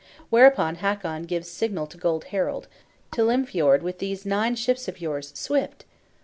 Whereupon Hakon gives signal to Gold Harald, "To Lymfjord with these nine ships of yours, swift!"